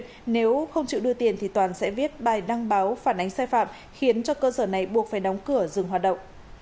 nếu không chịu đưa tiền thì toàn sẽ viết bài đăng báo phản ánh sai phạm khiến cho cơ sở này buộc phải đóng cửa dừng hoạt động